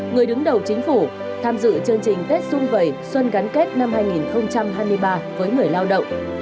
người đứng đầu chính phủ tham dự chương trình tết xuân vầy xuân gắn kết năm hai nghìn hai mươi ba với người lao động